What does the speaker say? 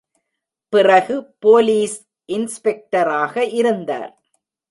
பிறகு போலீஸ் இன்ஸ்பெக்டராக இருந்தார்.